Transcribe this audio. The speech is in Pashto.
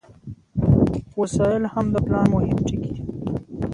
وسایل هم د پلان مهم ټکي دي.